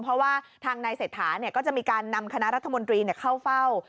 เพราะว่าทางนายเศรษฐาก็จะมีการนำคณะรัฐมนตรีเข้าเฝ้า